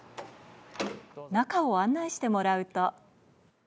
中を案内してもらうと。